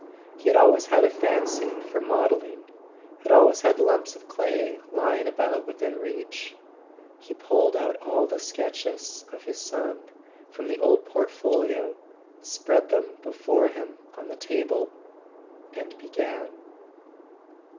He had always had a fancy for modelling —had always had lumps of clay lying about within [ 425 ] A SON AT THE FRONT reach. He pulled out all the sketches of his son from the old portfolio, spread them before him on the table, and began.